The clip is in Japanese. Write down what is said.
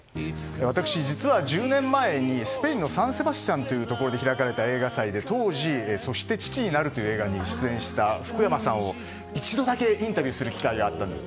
私、実は１０年前に、スペインのサンセバスチャンというところで開かれた映画祭で、、当時「そして父になる」という映画に出演した福山さんを一度だけインタビューする機会があったんです。